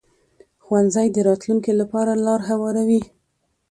ښوونځی د راتلونکي لپاره لار هواروي